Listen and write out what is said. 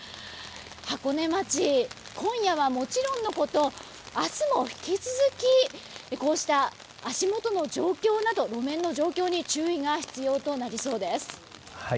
箱根町、今夜はもちろんのこと明日も引き続きこうした足元の状況など路面の状況に注意が必要となりそうです。